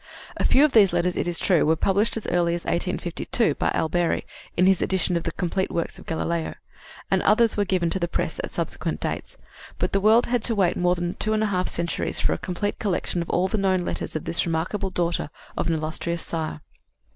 A few of these letters, it is true, were published as early as 1852 by Alberi, in his edition of the complete works of Galileo, and others were given to the press at subsequent dates; but the world had to wait more than two and a half centuries for a complete collection of all the known letters of this remarkable daughter of an illustrious sire.